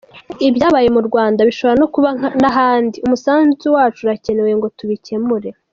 Ibyabaye mu Rwanda bishobora no kuba n’ahandi, umusanzu wacu urakenewe ngo tubikumire.